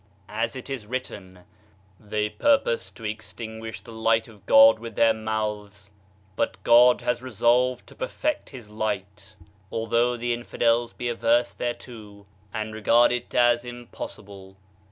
As it is written: "They purpose to extinguish the Light of God with their mouths, but God has re solved to perfect his Light, although the infidels be averse thereto and regard it as impossible."